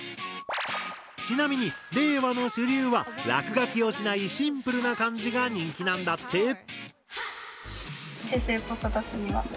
ちなみに令和の主流は落書きをしないシンプルな感じが人気なんだって！